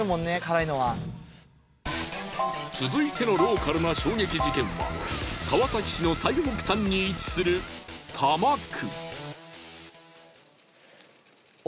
続いてのローカルな衝撃事件は川崎市の最北端に位置する多摩区。